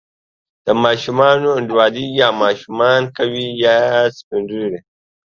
د ماشومانو انډیوالي یا ماشومان کوي، یا سپین ږیري.